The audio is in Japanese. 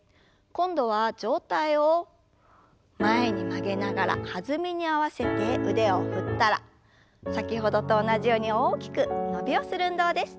今度は上体を前に曲げながら弾みに合わせて腕を振ったら先ほどと同じように大きく伸びをする運動です。